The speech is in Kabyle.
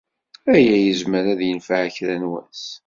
Aya yezmer ad yenfeɛ kra n wass.